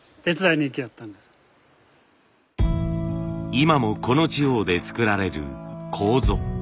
今もこの地方で作られる楮。